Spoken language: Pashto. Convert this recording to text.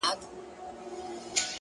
صبر د بریا د پخېدو موسم دی!.